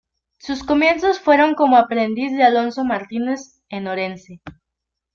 Sus comienzos fueron como aprendiz de Alonso Martínez, en Orense.